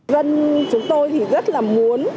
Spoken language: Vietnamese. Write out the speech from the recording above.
dân chúng tôi thì rất là muốn